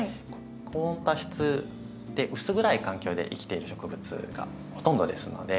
高温多湿で薄暗い環境で生きている植物がほとんどですので